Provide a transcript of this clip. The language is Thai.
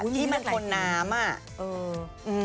ที่มันทนน้ำอ่ะ